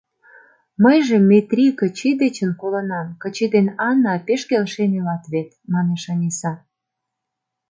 Мыйже Метрий Кычи дечын колынам: Кычи ден Ана пеш келшен илат вет, — манеш Ониса.